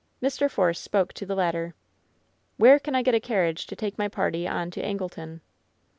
Mr. Force spoke to the latter. "Where can I get a carriage to take my party on to Angleton?"